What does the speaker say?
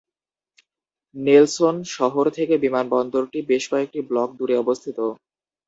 Nelson শহর থেকে বিমানবন্দরটি বেশ কয়েকটি ব্লক দূরে অবস্থিত।